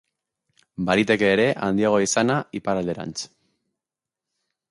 Baliteke ere handiagoa izana iparralderantz.